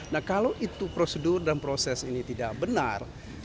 nah kalau itu prosedur dan proses ini tidak benar